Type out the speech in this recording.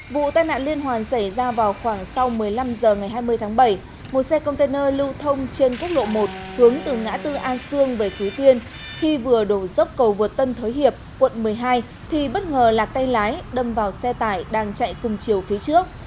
vụ tai nạn liên hoàn xảy ra vào khoảng sau một mươi năm h ngày hai mươi tháng bảy một xe container lưu thông trên quốc lộ một hướng từ ngã tư an sương về suối tiên khi vừa đổ dốc cầu vượt tân thới hiệp quận một mươi hai thì bất ngờ lạc tay lái đâm vào xe tải đang chạy cùng chiều phía trước